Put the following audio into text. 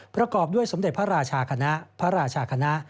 ประกอบด้วยสมเด็จพระราชาคณะพระราชาคณะ